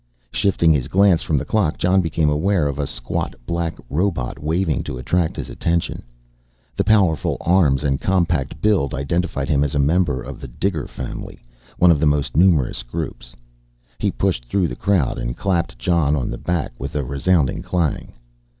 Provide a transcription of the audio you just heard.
Shifting his glance from the clock, Jon became aware of a squat black robot waving to attract his attention. The powerful arms and compact build identified him as a member of the Diger family, one of the most numerous groups. He pushed through the crowd and clapped Jon on the back with a resounding clang.